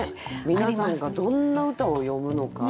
皆さんがどんな歌を詠むのか。